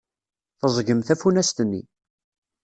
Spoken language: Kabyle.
Teẓẓgem tafunast-nni.